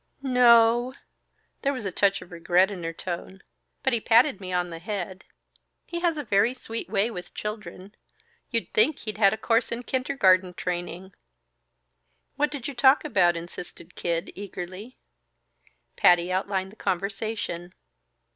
"N no." There was a touch of regret in her tone. "But he patted me on the head. He has a very sweet way with children. You'd think he'd had a course in kindergarten training." "What did you talk about?" insisted Kid, eagerly. Patty outlined the conversation.